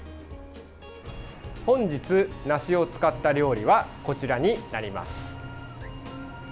本日、梨を使った料理はこちらになります。